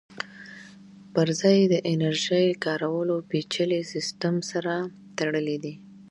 پرځای یې د انرژۍ کارولو پېچلي سیسټم سره تړلی دی